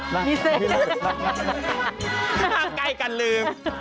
ห้ามใกล้กันลืม